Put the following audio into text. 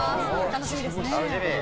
楽しみですね。